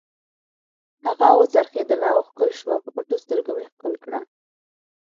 هغه و څرخېدله او ښکل شوه، پر پټو سترګو مې ښکل کړه.